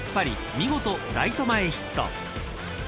見事、ライト前ヒット。